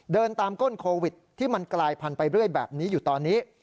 เดินตามก้นโควิดที่มันกลายพันธุไปเรื่อยแบบนี้อยู่ตอนนี้